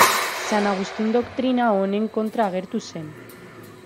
San Agustin doktrina honen kontra agertu zen.